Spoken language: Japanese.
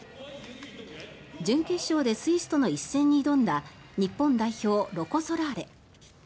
準決勝でスイスとの一戦に挑んだ日本代表、ロコ・ソラーレ。